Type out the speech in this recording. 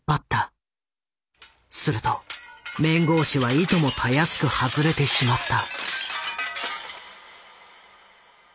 すると面格子はいともたやすく外れてしまった。